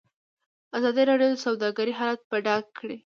ازادي راډیو د سوداګري حالت په ډاګه کړی.